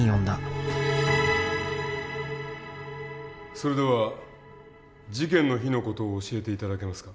それでは事件の日の事を教えて頂けますか？